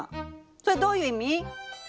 それどういう意味！？